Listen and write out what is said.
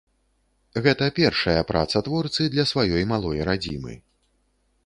Гэта першая праца творцы для сваёй малой радзімы.